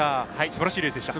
すばらしいレースでした。